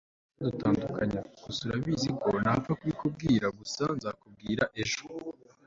ntacyadutanya gusa urabizi ko ntapfa kubikubwira gusa nzakubwira ejo